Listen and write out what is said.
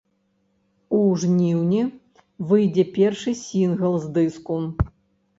У жніўні выйдзе першы сінгл з дыску.